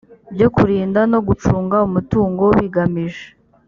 byo kurinda no gucunga umutungo bigamije